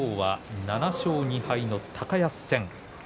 ７勝２敗の高安戦。